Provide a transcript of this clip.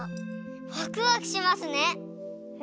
ワクワクしますね。